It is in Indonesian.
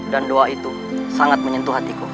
dan doa itu sangat menyentuh hatiku